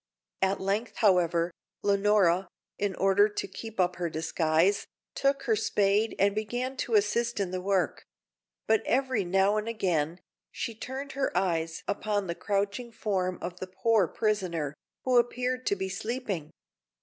At length, however, Leonora, in order to keep up her disguise, took her spade and began to assist in the work; but every now and again, she turned her eyes upon the crouching form of the poor prisoner, who appeared to be sleeping.